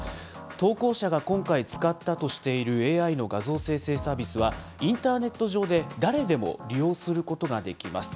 投稿者が今回使ったとしているＡＩの画像生成サービスは、インターネット上で誰でも利用することができます。